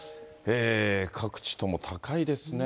各地とも高いですね。